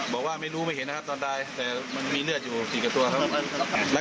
บอกว่าไม่รู้ไม่เห็นนะครับตอนตายแต่มันมีเลือดอยู่๔กับตัวครับ